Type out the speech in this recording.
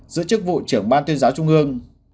giữa chức vụ trưởng ban tuyên giáo trung ương